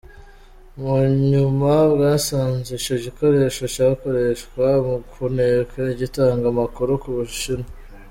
Munyuma bwasanze ico gikoresho cakoreshwa mu kuneka, gitanga amakuru ku Bushinwa.